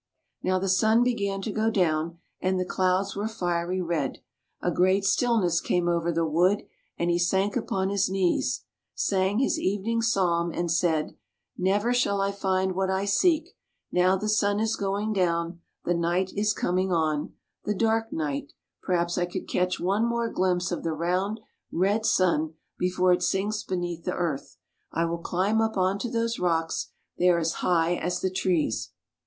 Now the sun began to go down, and the clouds were fiery red; a great stillness came over the wood, and he sank upon his knees, sang his evening psalm, and said, " Never shall I find what I seek, now the sun is going down, the night is coming on — the dark night; perhaps I could catch one more glimpse of the round, red sun before it sinks beneath the earth. I will climb up on to those rocks; they are as high as the trees."